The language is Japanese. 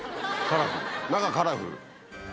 中カラフル？